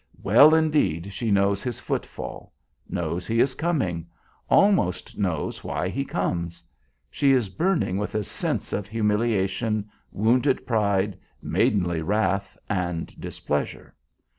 Well, indeed, she knows his foot fall; knows he is coming; almost knows why he comes. She is burning with a sense of humiliation, wounded pride, maidenly wrath, and displeasure.